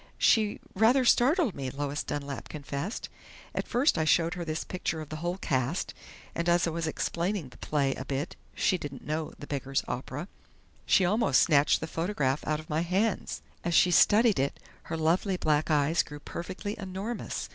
"She rather startled me," Lois Dunlap confessed. "I first showed her this picture of the whole cast, and as I was explaining the play a bit she didn't know 'The Beggar's Opera' she almost snatched the photograph out of my hands. As she studied it, her lovely black eyes grew perfectly enormous.